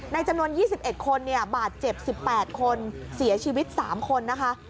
จำนวน๒๑คนบาดเจ็บ๑๘คนเสียชีวิต๓คนนะคะ